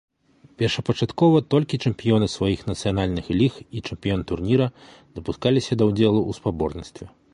Першапачаткова толькі чэмпіёны сваіх нацыянальных ліг і чэмпіён турніра дапускаліся да ўдзелу ў спаборніцтве.